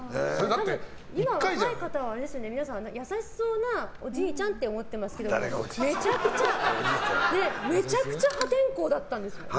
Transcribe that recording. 今若い方は優しそうなおじいちゃんって思ってますけど、めちゃくちゃ破天荒だったんですね。